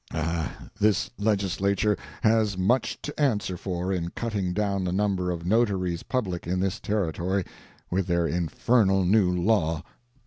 Ah, this Legislature has much to answer for in cutting down the number of Notaries Public in this Territory, with their infernal new law.